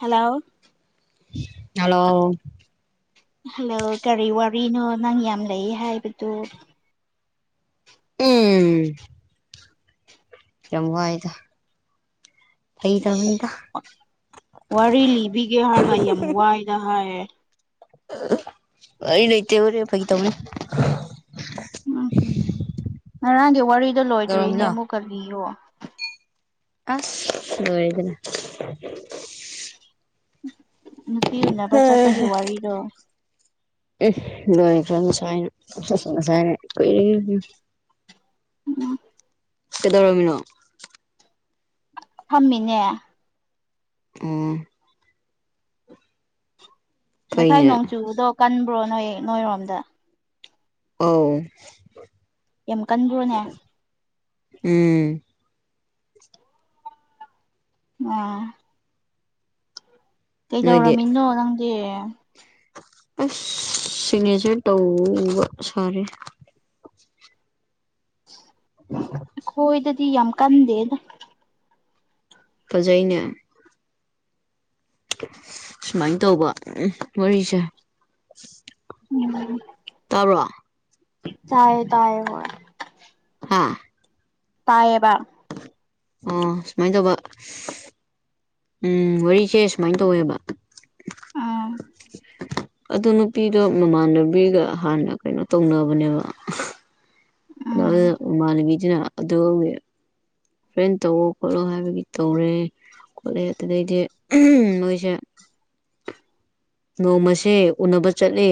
Hello hello hello ꯀꯔꯤ ꯋꯥꯔꯤꯅꯣ ꯅꯪ ꯌꯥꯝ ꯂꯩꯌꯦ ꯍꯥꯏꯕꯗꯨ ꯎꯨꯝ ꯌꯥꯝ ꯋꯥꯢꯗ ꯋꯥꯔꯤ ꯂꯤꯕꯤꯒꯦ ꯍꯥꯏꯔꯒ ꯌꯥꯝ ꯋꯥꯏꯗ ꯍꯥꯏꯌꯦ ꯑꯥ ꯑꯩ ꯂꯩꯇꯦ ꯋꯥꯔꯥ ꯐꯥꯒꯤ ꯇꯧꯕꯅꯦ ꯎꯝ ꯉꯔꯥꯡꯒꯤ ꯋꯥꯔꯤꯗꯣ ꯂꯣꯏꯗ꯭ꯔꯤꯅꯦ ꯀꯩꯗꯧꯔꯝꯃꯤꯅꯣ ꯑꯃꯨꯛꯀ ꯂꯤꯌꯣ ꯑꯁ ꯂꯣꯏꯔꯦꯗꯅ ꯅꯨꯄꯤ ꯎꯅꯕ ꯆꯠꯄꯒꯤ ꯋꯥꯔꯤꯗꯣ ꯑꯦ ꯂꯣꯏꯈ꯭ꯔꯦ ꯉꯁꯥꯏꯅ [unintelligible] [unintelligible] ꯎꯝ ꯀꯩꯗꯧꯔꯝꯃꯤꯅꯣ ꯐꯝꯃꯤꯅꯦ ꯑꯣ ꯉꯁꯥꯏ ꯐꯩꯅꯦ ꯅꯣꯡ ꯆꯨꯕꯗꯣ ꯀꯟꯕ꯭ꯔꯣ ꯅꯣꯏ ꯅꯣꯏꯔꯣꯝꯗ ꯑꯥꯎ ꯌꯥꯝ ꯀꯟꯕ꯭ꯔꯣꯅꯦ ꯎꯨꯝ ꯑꯣ ꯅꯣꯏꯗꯤ ꯀꯩꯗꯧꯔꯝꯃꯤꯅꯣ ꯅꯪꯗꯤ ꯑꯁ ꯁꯤꯒꯅꯦꯁꯔ ꯇꯧꯕ ꯁꯥꯔꯦ ꯑꯩꯈꯣꯏꯗꯗꯤ ꯌꯥꯝ ꯀꯟꯗꯦꯗ ꯐꯖꯩꯅꯦ ꯁꯨꯃꯥꯏꯅ ꯇꯧꯕ ꯎꯝ ꯋꯥꯔꯤꯁꯦ ꯎꯝ ꯇꯥꯕ꯭ꯔꯣ ꯇꯥꯔꯦ ꯇꯥꯔꯦ ꯍꯣꯢ ꯍꯥꯥ ꯇꯥꯏꯌꯦꯕ ꯑꯣ ꯁꯨꯃꯥꯏ ꯇꯧꯕ ꯎꯝ ꯋꯥꯔꯤꯁꯦ ꯁꯨꯃꯥꯏꯅ ꯇꯧꯋꯦꯕ ꯎꯝ ꯑꯣ ꯅꯨꯄꯤꯗꯣ ꯃꯃꯥꯟꯅꯕꯤꯒ ꯍꯥꯟꯅ ꯀꯩꯅꯣ ꯇꯧꯅꯕꯅꯦꯕ ꯑ ꯎꯝ ꯃꯃꯥꯟꯅꯕꯤꯗꯨꯅ ꯑꯗꯨꯒꯤ ꯐ꯭ꯔꯦꯟ ꯇꯧꯑꯣ ꯈꯣꯠꯂꯣ ꯍꯥꯏꯕꯒꯤ ꯇꯧꯔꯦ ꯈꯣꯠꯂꯦ ꯑꯗꯨꯗꯩꯗꯤ ꯃꯣꯏꯁꯦ ꯅꯣꯡꯃꯁꯦ ꯎꯅꯕ ꯆꯠꯂꯦ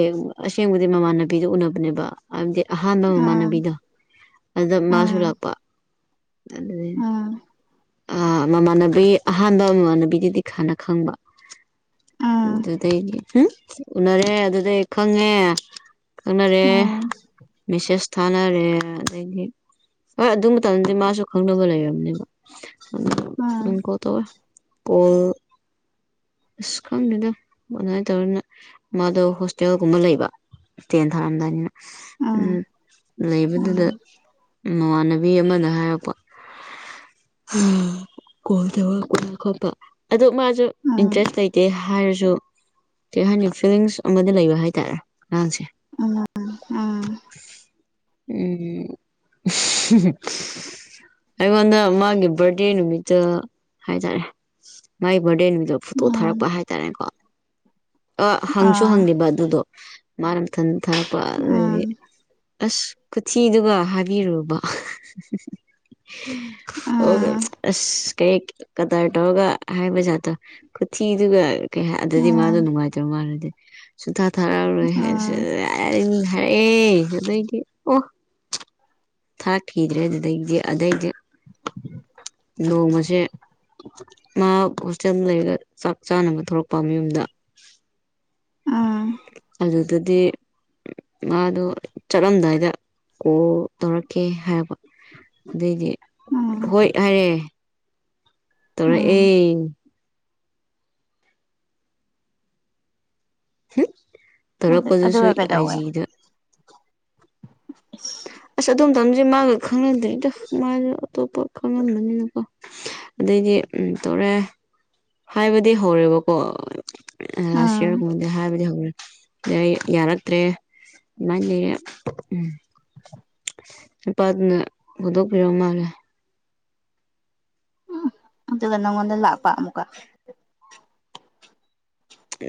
ꯑꯁꯦꯡꯕꯗꯤ ꯃꯃꯥꯟꯅꯕꯤꯗꯨ ꯎꯅꯕꯅꯦꯕ ꯍꯥꯏꯗꯤ ꯑꯍꯥꯟꯕ ꯎꯝ ꯃꯃꯥꯟꯅꯕꯤꯗꯣ ꯑꯗꯥ ꯎꯝ ꯃꯥꯁꯨ ꯂꯥꯛꯄ ꯑꯗꯨꯗꯒꯤ ꯎꯝ ꯑꯥ ꯃꯃꯥꯟꯅꯕꯤ ꯑꯍꯥꯟꯕ ꯃꯃꯥꯟꯅꯕꯤꯒꯤꯗꯤ ꯍꯥꯟꯅ ꯈꯪꯕ ꯎꯝ ꯑꯗꯨꯗꯒꯤ ꯍꯨꯝ ꯎꯅꯔꯦ ꯑꯗꯨꯗꯩ ꯈꯪꯉꯦ ꯈꯪꯅꯔꯦ ꯎꯝ ꯃꯦꯁꯦꯁ ꯊꯥꯅꯔꯦ ꯑꯗꯒꯤ ꯍꯣꯏ ꯑꯗꯨ ꯃꯇꯝꯗꯗꯤ ꯃꯥꯁꯨ ꯈꯪꯅꯕ ꯂꯩꯔꯝꯅꯦꯕ ꯎꯝ [unintelligible] ꯀꯣꯜ ꯇꯧꯋꯦ ꯀꯣꯜ ꯑꯁ ꯈꯪꯗꯦꯗ ꯑꯗꯨꯃꯥꯏꯅ ꯇꯧꯋꯦꯅ ꯃꯥꯗꯣ ꯍꯣꯁꯇꯦꯜꯒꯨꯝꯕ ꯂꯩꯕ ꯇꯦꯟ ꯊꯥꯔꯝꯗꯥꯢꯅꯤꯅ ꯎꯝ ꯑꯗꯨ ꯂꯩꯕꯗꯨꯗ ꯃꯃꯥꯟꯅꯕꯤ ꯑꯃꯅ ꯍꯥꯏꯔꯛꯄ ꯑꯝ ꯀꯣꯜ ꯇꯧꯔꯛꯄ ꯈꯥꯛꯇ ꯑꯗꯨ ꯃꯥꯁꯨ ꯏꯟꯇꯔꯦꯁ ꯂꯩꯇꯦ ꯇꯦ ꯍꯥꯏꯔꯁꯨ ꯊꯩ ꯍꯥꯏꯅꯤ ꯐꯤꯂꯤꯡꯁ ꯑꯃꯗꯤ ꯂꯩꯕ ꯍꯥꯏꯇꯥꯔꯦ [unintelligible] ꯎꯝ ꯑꯩꯉꯣꯟꯗ ꯃꯥꯒꯤ ꯕꯥꯔꯗꯦ ꯅꯨꯃꯤꯠꯇ ꯍꯥꯏꯇꯥꯔꯦ ꯃꯥꯒꯤ ꯕꯥꯔꯗꯦ ꯅꯨꯃꯤꯠꯇ ꯐꯣꯇꯣ ꯊꯥꯔꯛꯄ ꯍꯥꯏ ꯍꯥꯏꯇꯥꯔꯦꯀꯣ ꯑꯥ ꯍꯪꯁꯨ ꯍꯪꯗꯦꯕ ꯑꯗꯨꯗꯣ ꯃꯥꯅ ꯃꯊꯥꯟ ꯊꯥꯔꯛꯄ ꯑꯗꯨꯒꯤ ꯑꯁ ꯈꯨꯊꯤꯗꯨꯒ ꯍꯥꯏꯕꯤꯔꯨꯕ ꯑꯣ ꯑꯁ ꯀꯩ ꯀꯗꯥꯔ ꯇꯧꯔꯒ ꯍꯥꯏꯕ ꯖꯥꯠꯇꯣ ꯈꯨꯊꯤꯗꯨꯒ ꯀꯩ ꯑꯗꯨꯗꯤ ꯃꯥꯗꯣ ꯅꯨꯡꯉꯥꯏꯇꯕ ꯃꯥꯜꯂꯥꯗꯤ ꯁꯨꯊꯥ ꯊꯥꯔꯛꯑꯔꯣꯏ ꯍꯥꯏꯌꯦ ꯍꯥꯏꯔꯛꯑꯦ ꯑꯗꯒꯤ ꯊꯥꯔꯛꯈꯤꯗ꯭ꯔꯦ ꯑꯗꯨꯗꯩꯗꯤ ꯑꯗꯩꯗꯤ ꯅꯣꯡꯃꯁꯦ ꯃꯥ ꯍꯣꯁꯇꯦꯜ ꯂꯩꯔꯒ ꯆꯥꯛ ꯆꯥꯅꯕ ꯊꯣꯛꯂꯛꯄ ꯃꯌꯨꯝꯗ ꯑꯗꯨ ꯑꯗꯨꯗꯤ ꯃꯥꯗꯣ ꯆꯠꯂꯝꯗꯥꯏꯗ ꯀꯣꯜ ꯇꯧꯔꯛꯀꯦ ꯍꯥꯏꯕ ꯑꯗꯩꯗꯤ ꯍꯣꯏ ꯍꯥꯏꯔꯦ ꯇꯧꯔꯛꯑꯦ ꯍꯨꯝ ꯇꯧꯔꯛꯄꯗꯨꯁꯨ ꯑꯗꯨꯒ ꯀꯩꯗꯧꯋꯦ ꯑꯩꯥꯏꯖꯤꯗ ꯑꯁ ꯑꯗꯨ ꯃꯇꯥꯝꯗꯗꯤ ꯃꯥꯒ ꯈꯪꯅꯗ꯭ꯔꯤꯗ ꯃꯥꯁꯦ ꯑꯇꯣꯞꯄ ꯈꯪꯅꯔꯝꯒꯅꯤꯗ ꯑꯗꯩꯗꯤ ꯇꯧꯔꯛꯑꯦ ꯍꯥꯏꯕꯗꯤ ꯍꯧꯔꯦꯕꯀꯣ ꯂꯥꯢꯠ ꯎꯝ ꯌꯥꯔꯒꯗꯤ ꯍꯥꯏꯕꯗꯤ ꯍꯧꯔꯦ ꯑꯗꯩ ꯌꯥꯔꯛꯇ꯭ꯔꯦ ꯑꯗꯨꯃꯥꯏ ꯂꯨꯔꯦ ꯅꯨꯄꯥꯗꯨꯅ ꯍꯨꯗꯣꯛꯄꯤꯔꯥ ꯃꯥꯜꯂꯦ ꯎꯝ ꯑꯗꯨꯒ ꯅꯪꯉꯣꯟꯗ ꯂꯥꯛꯄ ꯑꯃꯨꯛꯀ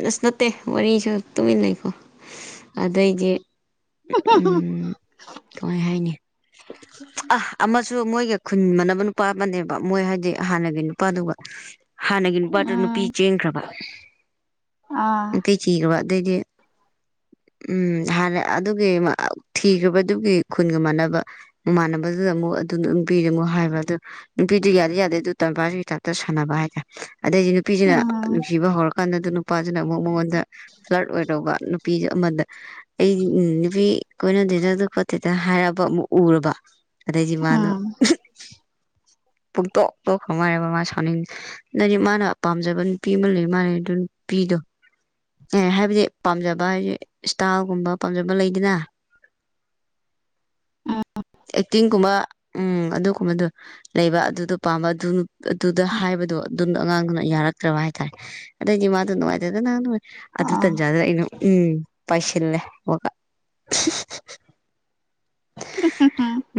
ꯑꯁ ꯅꯠꯇꯦ ꯋꯥꯔꯤꯁꯨ ꯇꯨꯃꯤꯟꯅ ꯂꯩꯀꯣ ꯑꯗꯩꯗꯤ ꯎꯝ ꯀꯃꯥꯏ ꯍꯥꯏꯅꯤ [inaudible] ꯑ ꯑꯃꯁꯨ ꯃꯣꯏꯒ ꯈꯨꯟ ꯃꯅꯕ ꯅꯨꯄꯥ ꯑꯃꯅꯦꯕ ꯃꯣꯏ ꯍꯥꯏꯗꯤ ꯍꯥꯟꯅꯒꯤ ꯅꯨꯄꯥꯗꯨꯒ ꯍꯥꯟꯅꯒꯤ ꯅꯨꯄꯥꯗꯨ ꯅꯨꯄꯤ ꯎꯝ ꯆꯦꯟꯈ꯭ꯔꯕ ꯑꯥ ꯅꯨꯄꯤ ꯊꯤꯈ꯭ꯔꯕ ꯑꯗꯩꯗꯤ ꯎꯝ ꯍꯥꯟꯅ ꯑꯗꯨꯒꯤ ꯊꯤꯈ꯭ꯔꯕꯗꯨꯒꯤ ꯈꯨꯟꯒ ꯃꯥꯟꯅꯕ ꯃꯃꯥꯟꯅꯕꯗꯨꯗ ꯑꯃꯨꯛ ꯑꯗꯨ ꯅꯨꯄꯤꯗꯨꯃꯨꯛ ꯍꯥꯏꯕ ꯑꯗꯨ ꯅꯨꯄꯤꯗꯨ ꯌꯥꯗꯤ ꯌꯥꯗꯦ ꯑꯗꯨ ꯇꯕꯥꯕꯤ ꯇꯥꯞꯇ ꯁꯥꯟꯅ ꯍꯥꯏ ꯇꯥꯏ ꯑꯗꯩꯗꯤ ꯅꯨꯄꯤꯁꯤꯅ ꯎꯝ ꯅꯨꯡꯁꯤꯕ ꯍꯧꯔꯀꯥꯟꯗꯗ ꯅꯨꯄꯥꯁꯤꯅ ꯑꯃꯨꯛ ꯃꯉꯣꯟꯗ ꯐ꯭ꯂꯔꯠ ꯑꯣꯏꯔꯧꯕ ꯅꯨ ꯄꯤꯗꫭ ꯑꯃꯗ ꯑꯩ ꯅꯨꯄꯤ ꯀꯣꯏꯅꯗꯦꯗ ꯑꯗꯨ ꯈꯣꯠꯇꯦꯗ ꯍꯥꯏꯔꯛꯑꯕ ꯑꯃꯨꯛ ꯎꯔꯕ ꯑꯗꯩꯗꯤ ꯃꯥꯗꫭ ꯎꯝ ꯄꯨꯨꯡꯇꫭꯛ ꯇꫭꯛꯈꯔ ꯃꯥꯜꯂꯦꯕ ꯃꯥ ꯁꯥꯎꯅꯤꯡ ꯅꯪꯗꯤ ꯃꯥꯅ ꯄꯥꯝꯖꯕ ꯅꯨꯄꯤ ꯑꯃ ꯂꯩ ꯃꯥꯂꯦ ꯑꯗꯨ ꯅꯨꯄꯤꯗꯣ ꯑꯦ ꯍꯥꯏꯕꯗꯤ ꯄꯥꯝꯖꯕ ꯍꯥꯏꯗꯤ ꯏꯁꯇꯥꯜꯒꯨꯝꯕ ꯄꯥꯝꯖꯕ ꯂꯩꯗꯅ ꯎꯝ‌꯫ ꯑꯦꯛꯇꯤꯡꯒꯨꯝꯕ ꯎꯝ ꯑꯗꯨꯒꯨꯝꯕꯗꫭ ꯂꯩꯕ ꯑꯗꯨꯗꯣ ꯄꯥꯝꯕ ꯑꯗꯨ ꯑꯗꯨꯗ ꯍꯥꯏꯕꯗꯣ ꯑꯗꯨꯝ ꯑꯉꯥꯡꯗꯨꯅ ꯌꯥꯔꯛꯇ꯭ꯔꯕ ꯍꯥꯏꯇꯥꯔꯦ ꯑꯗꯩꯗꯤ ꯃꯥꯗꫭ ꯅꯨꯡꯉꯥꯏꯇꯥꯗꯅ ꯅꫭꯏ ꯑꯗꯨ ꯑꯥ ꯇꯟꯖꯥꯗꯨꯗ ꯑꯩꯅ ꯎꯝ ꯄꯥꯏꯁꯤꯜꯂꯦ ꯋꯀꯥꯞ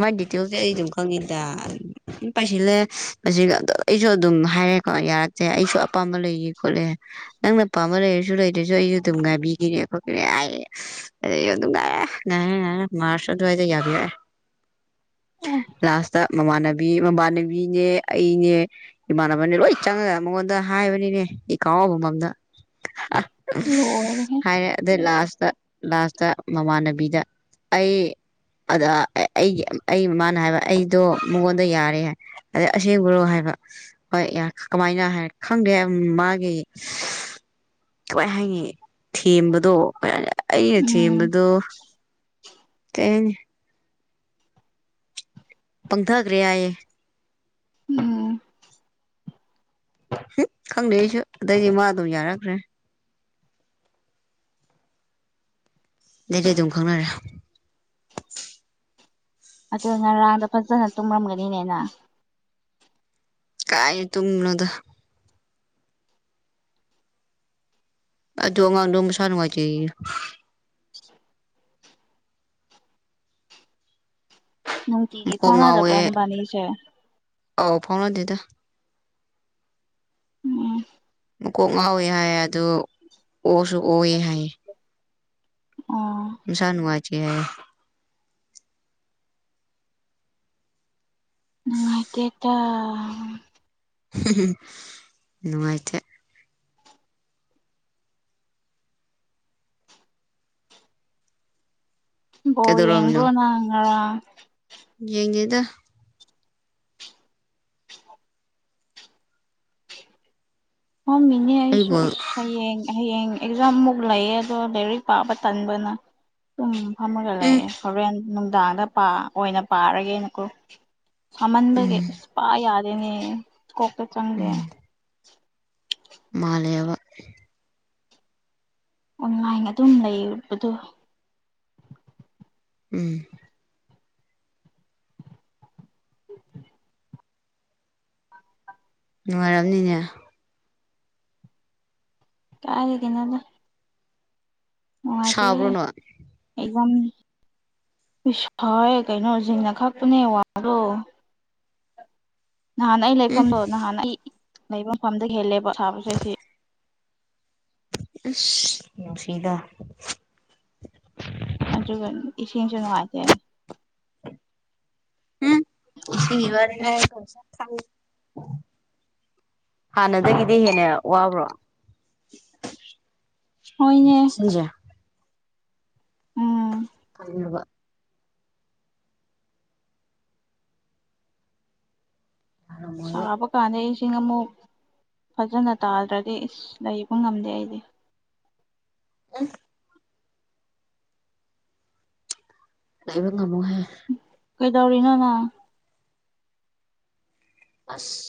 ꯃꯥꯏ ꯗꯤꯇꯤꯁꯦ ꯑꯩ ꯑꯗꯨꯝ ꯈꯪꯉꯤꯗ ꯎꯝ ꯄꯥꯏꯁꯤꯜꯂꯦ ꯃꯁꯤꯒ ꯑꯩꯁꯨ ꯑꯗꯨꯝ ꯍꯥꯏꯔꯦꯀꯣ ꯌꯥꯔꯛꯇꯦ ꯑꯩꯁꯨ ꯑꯄꯥꯝꯕ ꯂꯩꯌꯦ ꯈꯣꯠꯂꯦ ꯅꯪꯅ ꯄꯥꯝꯕ ꯂꯩꯔꯁꯨ ꯁꯨ ꯂꯩꯗ꯭ꯔꯁꯨ ꯑꯩꯁꯨ ꯑꯗꯨꯝ ꯉꯥꯏꯕꯤꯒꯦꯅꯦ ꯈꯣꯠꯀꯦꯅꯦ ꯍꯥꯏꯌꯦ ꯑꯗꯩꯗꯤ ꯅꯨꯡꯉꯥꯏꯔꯦ ꯉꯥꯏꯔꯦ ꯉꯥꯏꯔꯦ ꯃꯥꯔꯁꯨ ꯑꯗꯨꯋꯥꯏꯗ ꯌꯥꯕꯤꯌꯦ [inaudible] ꯑꯦ ꯂꯥꯁꯇ ꯃꯃꯥꯟꯅꯕꯤ ꯃꯃꯥꯟꯅꯕꯤꯅꯦ ꯑꯩꯅꯦ ꯏꯃꯥꯟꯅꯕꯅꯦ ꯂꯣꯏ ꯆꯪꯉꯒ ꯃꯉꯣꯟꯗ ꯍꯥꯏꯕꯅꯤꯅꯦ ꯏ ꯀꯥꯎ ꯑꯃꯃꯝꯗ ꯂꯣꯏꯔꯦꯍꯦ ꯍꯥꯏꯔꯦ ꯑꯗꯩ ꯂꯥꯁꯇ ꯂꯥꯁꯇ ꯃꯃꯥꯟꯅꯕꯤꯗ ꯑꯩ ꯑꯗꯥ ꯑꯩꯒꯤ ꯑꯩ ꯃꯃꯥꯅ ꯍꯥꯏꯕ ꯑꯩꯗꯣ ꯃꯉꯣꯟꯗ ꯌꯥꯔꯦ ꯍꯥꯏ ꯑꯗꯩ ꯑꯁꯦꯡꯕꯔꫭ ꯍꯥꯏꯕ ꯍꯣꯏ ꯀꯃꯥꯏꯅ ꯍꯥꯏ ꯈꯪꯗꯦ ꯃꯥꯒꯤ ꯀꯃꯥꯏ ꯍꯥꯏꯅꯤ ꯊꯦꯝꯕꯗꯣ ꯀꯩ ꯑꯩꯅ ꯎꯝ ꯊꯦꯝꯕꯗꯣ ꯀꯩ ꯍꯥꯏꯅꯤ ꯄꯪꯊꯈ꯭ꯔꯦ ꯍꯥꯏꯌꯦ ꯎꯝ꯫ ꯍꯝ ꯈꯪꯗꯦ ꯑꯩꯁꯨ ꯑꯗꯩꯗꯤ ꯃꯥ ꯑꯗꯨꯝ ꯌꯥꯔꯛꯈ꯭ꯔꯦ꯫ ꯑꯗꯩꯗꯤ ꯑꯗꯨꯝ ꯈꯪꯅꯔꯦ꯫ ꯑꯗꯨ ꯉꯔꯥꯡꯗꫭ ꯐꯖꯅ ꯇꯨꯝꯔꯝꯒꯅꯤꯅꯦ ꯅꯪ ꯀꯥꯏ ꯇꯨꯝꯕꯅꫭꯗ ꯑꯗꯨ ꯑꯉꯥꯡꯗꯣ ꯃꯁꯥ ꯅꯨꯡꯉꯥꯏꯇꯦꯌꯦ ꯅꯨꯡꯇꯤꯒꯤ ꯃꯀꯣꯛ ꯊꯅꯥꯗꯕ꯭ꯔꯥ ꯅꯕꯥꯅꯤꯁꯦ ꯑꯥꯎ ꯐꯥꯎꯅꯗꯦꯗꯥ ꯎꯝ ꯃꯀꯣꯛ ꯉꯥꯎꯋꯦ ꯍꯥꯏ ꯑꯗꯣ ꯑꯣꯁꯨ ꯑꯣꯑꯦ ꯍꯥꯏꯌꯦ ꯑꯣ ꯃꯁꯥ ꯅꯨꯡꯉꯥꯏꯇꯦ ꯍꯥꯏꯌꯦ ꯗꯦꯇ [unintelligible] ꯅꯨꯡꯉꯥꯏꯇꯦ ꯕꯣꯜ ꯌꯦꯡꯕꯔꯣ ꯅꯪ ꯉꯔꯥꯡ ꯌꯦꯡꯒꯦꯗ ꯈꯪꯗꯦꯅꯦ ꯑꯩꯁꯨ ꯑꯩꯕꯨ ꯍꯥꯏꯁ ꯍꯌꯦꯡ ꯍꯌꯦꯡ ꯑꯦꯛꯖꯥꯝꯃꯨꯛ ꯂꯩꯌꯦ ꯑꯗꯣ ꯂꯥꯏꯔꯤꯛ ꯄꯥꯕ ꯇꯟꯕꯅ ꯄꯨꯡ ꯐꯥꯝꯃꯒ ꯎꯝ ꯂꯩꯑꯦ ꯍꯣꯔꯦꯟ ꯅꯨꯡꯗꯥꯡꯗ ꯄꯥ ꯑꯣꯏꯅ ꯄꯥꯔꯒꯦꯅꯀꯣ ꯁꯥꯃꯟꯕꯒꯤ ꯎꯝ ꯑꯁ ꯄꯥꯌꯥꯔꯦꯅꯦ ꯀꯣꯛꯇ ꯆꯪꯗꯦ ꯎꯝ ꯃꯥꯜꯂꯦꯕ ꯑꯣꯟꯂꯥꯏꯟ ꯑꯗꯨꯝ ꯂꯩꯔꯕꯗꯣ ꯎꯝ ꯅꯨꯡꯉꯥꯏꯔꯝꯅꯤꯅꯦ ꯀꯥꯏꯗꯩꯅꯣꯗ ꯅꯨꯡꯉꯥꯏꯇꯦ ꯁꯥꯕ꯭ꯔꯣ ꯅꯣꯏ ꯑꯩꯒꯨꯝ ꯏꯁ ꯐꯌꯦ ꯀꯩꯅꯣꯁꯤꯡꯅ ꯈꯛꯄꯅꯦ ꯋꯥꯗꯣ ꯅꯍꯥꯟ ꯑꯩ ꯎꯝ ꯂꯩꯐꯝꯗꯣ ꯅꯍꯥꯟ ꯑꯩ ꯂꯩꯐꯝ ꯃꯐꯝꯗ ꯍꯦꯜꯂꯦꯕ ꯁꯥꯕꯁꯦ ꯁꯤ ꯏꯁꯁ ꯅꯨꯡꯁꯤꯗ ꯑꯗꯨꯒ ꯏꯁꯤꯡꯁꯨ ꯅꯨꯡꯉꯥꯏꯇꯦ [inaudible] ꯍꯥꯟꯅꯗꯒꯤꯗꯤ ꯍꯦꯟꯅ ꯋꯥꯕ꯭ꯔꯣ ꯍꯣꯏꯅꯦ ꯁꯤꯡꯖꯦ ꯎꯝ ꯐꯩꯔꯕ ꯌꯥꯔꯝꯃꯣꯏꯕ ꯁꯥꯕ ꯀꯥꯟꯗ ꯏꯁꯤꯡ ꯑꯃꯨꯛ ꯐꯖꯅ ꯇꯥꯗ꯭ꯔꯗꯤ ꯂꯩꯕ ꯉꯝꯗꯦ ꯑꯩꯗꯤ [inaudible] ꯂꯩꯕ ꯉꯝꯃꯨꯍꯦ ꯀꯩꯗꯧꯔꯤꯅꯣꯅ ꯑꯁ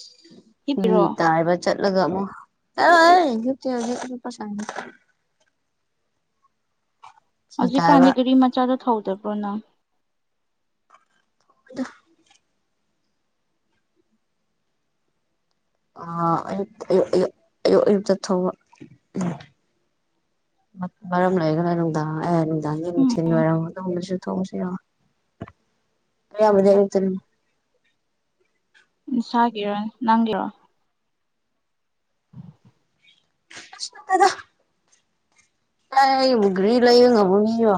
ꯐꯤ ꯍꯤꯞꯄꯤꯔꯣ ꯇꯥꯏꯕ ꯆꯠꯂꯒ ꯑꯃꯨꯛ [unintelligible] ꯐꯤ ꯍꯧꯖꯤꯛ ꯀꯥꯟꯗꯤ ꯇꯥꯏꯕ ꯒꯔꯤ ꯃꯆꯥꯗ ꯊꯧꯗꯕ꯭ꯔꯣꯅ ꯑꯗ ꯑꯥ ꯑꯌꯨꯛ ꯑꯌꯨꯛ ꯑꯌꯨꯛ ꯑꯌꯨꯛ ꯇ ꯊꯧꯕ ꯃꯔꯝ ꯂꯩꯔꯒꯅ ꯅꯨꯡꯗꯥꯡ ꯑꯦ ꯅꯨꯡꯗꯥꯡꯒꯤ ꯅꯨꯡꯊꯤꯜꯒꯤ ꯎꯝ ꯋꯥꯏꯔꯝ ꯃꯇꯨꯡꯗꯁꯨ ꯊꯧꯕꯁꯨ ꯌꯥꯎꯑꯦ [unintelligible] ꯑꯌꯥꯝꯕꯗꯤ ꯑꯌꯨꯛꯇꯅꯤ ꯅꯁꯥꯒꯤꯔ ꯅꯪꯒꯔ ꯑꯁ ꯈꯪꯗꯦꯗ ꯑꯩꯕꯨꯨ ꯒ꯭ꯔꯤ ꯂꯩꯕꯉꯝꯕ ꯃꯤꯔꯣ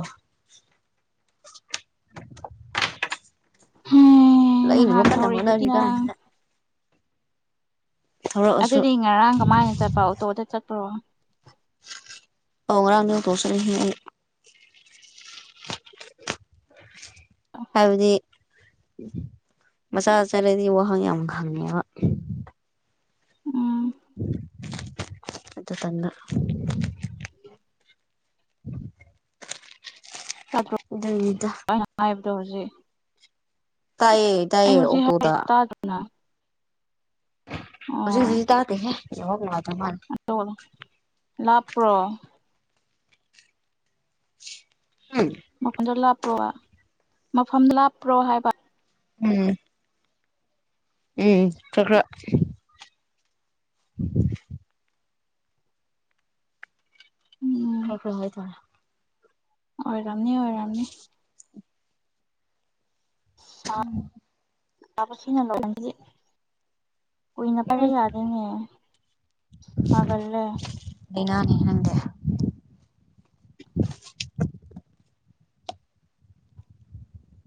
ꯍꯝ ꯂꯩꯅꯕ ꯅꯍꯥꯟ ꯀꯟꯅ ꯊꯔꯤꯗꯨꯗꯤ ꯍꯣꯠꯅꯔꯤ ꯅꯪ ꯀꯥꯟꯁꯤꯗ ꯊꯧꯔꯛꯑꯁꯨ ꯑꯗꯨꯗꯤ ꯉꯔꯥꯡ ꯀꯃꯥꯏꯅ ꯆꯠꯄ ꯑꯣꯇꯣꯗ ꯆꯠꯄ꯭ꯔꯣ ꯑꯧ ꯉꯔꯥꯡꯗꯤ ꯑꯣꯇꯣꯗ ꯆꯠꯂꯤꯍꯦ ꯑꯩ ꯍꯥꯏꯕꯗꯤ ꯃꯆꯥ ꯆꯠꯂꯗꯤ ꯋꯥꯍꯪ ꯌꯥꯝ ꯈꯪꯉꯦꯕ ꯎꯝ ꯑꯇ ꯇꯟꯗ [inaudible] ꯇꯥꯗ꯭ꯔꫭ ꯑꯗꯨꯒꯤꯅꯤꯗ ꯑꯩꯅ ꯍꯥꯏꯕꯗꯣ ꯍꯧꯖꯤꯛ ꯇꯥꯏꯌꯦ ꯑꯩ ꯇꯥꯏꯌꯦ ꯍꯧꯖꯤꯛ ꯍꯥꯏꯔꯤ ꯑꯣꯛꯇꯣꯗ ꯇꯥꯗ꯭ꯔꫭ ꯅꯪ ꯍꯧꯖꯤꯛꯀꯤꯗꯨꯗꯤ ꯑꯣ ꯇꯥꯗꯦꯍꯦ ꯅꯦꯋꯥꯛ ꯅꯨꯉꯥꯏꯇ ꯃꯥꯜꯂꯤ ꯂꯥꯞꯄ꯭ꯔꯣ ꯎꯝ ꯃꯐꯝꯗꯨ ꯂꯥꯞꯄ꯭ꯔꯣ ꯃꯐꯝ ꯂꯥꯞꯄ꯭ꯔꯣ ꯍꯥꯏꯕ ꯎꯝ ꯎꯝ ꯈ꯭ꯔꯥ ꯈ꯭ꯔꯥ [inaudible] ꯎꯝ ꯈ꯭ꯔ ꯈ꯭ꯔ ꯍꯥꯎꯕ ꯑꯣꯏꯔꯝꯅꯤ ꯑꯣꯏꯔꯝꯅꯤ [unintelligible] ꯁꯤꯅ [unintelligible] ꯀꯨꯏꯅ ꯄꯕ ꯎꯝ ꯌꯥꯗꯦꯅꯦ ꯁꯥꯒꯜꯂꯦ ꯂꯩꯅꯥꯅꯤꯅꯦ ꯅꯪꯗꯦ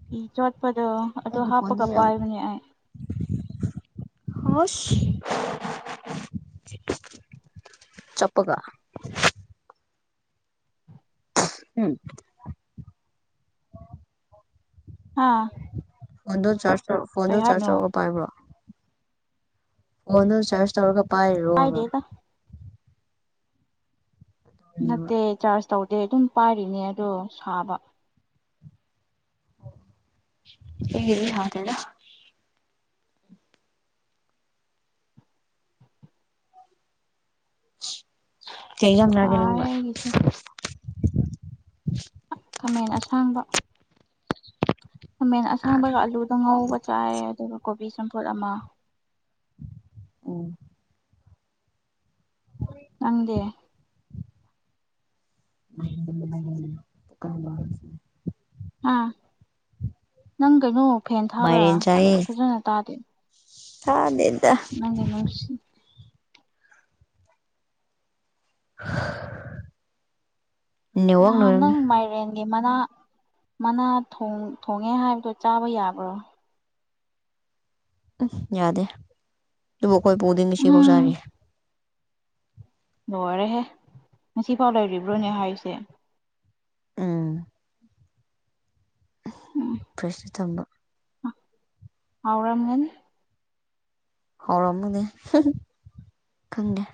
ꯐꯤ ꯆꯣꯠꯄꯗꫭ ꯑꯩꯒꯤ ꯐꫭꯟꯗꯤ ꯍꯣꯁ ꯆꯞꯄꯒ ꯍꯝ ꯍꯥꯥ ꯐꯣꯟꯗꫭ ꯆꯥꯔꯖ ꯇꯧ ꯐꯣꯟꯗꫭ ꯆꯥꯔꯖ ꯇꯧꯔꯒ ꯄꯥꯏꯕ꯭ꯔꯣ ꯐꫭꯟꯗꯨ ꯆꯥꯔꯖ ꯇꯧꯔꯒ ꯄꯥꯏꯔꯤꯔꯣ ꯍꯥꯏꯕ ꯄꯥꯏꯗꯦꯗ ꯍꯥꯏꯕ ꯅꯠꯇꯦ ꯆꯥꯔꯖ ꯇꯧꯗꯦ ꯑꯗꯨꯝ ꯄꯥꯏꯔꯤꯅꯦ ꯑꯗꯣ ꯁꯥꯕ ꯁꯤꯒꯤꯗꯤ ꯍꯥꯎ ꯇꯦꯗ ꯀꯩꯖꯥꯡ ꯆꯥꯒꯦ ꯁꯥꯏ ꯅꯪꯕꫭ ꯑꯩꯒꯤꯁꯦ ꯈꯥꯃꯦꯟ ꯑꯁꯥꯡꯕ ꯈꯃꯦꯟ ꯑꯁꯥꯡꯕꯒ ꯑꯂꯨꯗꯣ ꯉꯧꯕ ꯆꯥꯏ ꯑꯗꯨꯒ ꯀꯣꯕꯤ ꯆꯝꯐꯨꯠ ꯑꯃ ꯑꯣ ꯅꯪꯗꯦ [inaudible] ꯍꯥ ꯅꯪ ꯀꯩꯅꯣ ꯐꯦꯟ ꯊꯥꯕ꯭ꯔꯥ ꯐꯖꯅ ꯇꯥꯗꯦ ꯊꯥꯗꯦꯗ ꯑꯉꯥꯡꯁꯤꯡ [inaudible] ꯅꯦꯠꯋꯥꯛꯅ ꯅꯍꯥꯟ ꯑꯣꯏꯔꯝꯅꯤ ꯅꯪ ꯃꯥꯏꯔꯦꯟ ꯒꯤ ꯃꯅꯥ ꯃꯅꯥ ꯊꫭꯡ ꯊꯣꯡꯉꯦ ꯍꯥꯏꯕꯗꯣ ꯆꯥꯕ ꯌꯥꯕ꯭ꯔꯣ ꯑꯁ ꯌꯥꯗꯦ ꯑꯗꯨꯕꯨ ꯑꯩꯈꯣꯏ ꯄꯨꯗꯤ ꯉꯁꯤꯐꯥꯎ ꯎꯝ ꯆꯥꯔꯤ ꯂꯣꯏꯔꯍꯦ ꯉꯁꯤꯐꯥꯎ ꯂꯩꯔꯤꯕ꯭ꯔꯣꯅꯦ ꯍꯥꯏꯁꯦ ꯎꯝ ꯎꯝ ꯄ꯭ꯔꯦꯁꯔ ꯊꯝꯕ ꯍꯧꯎꯔꯝꯒꯅꯤ ꯍꯥꯎꯔꯝꯃꯅꯦ ꯈꯪꯒꯦ